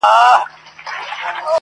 که غچيدله زنده گي په هغه ورځ درځم~